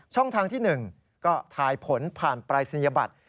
ทางที่๑ก็ทายผลผ่านปรายศนียบัตร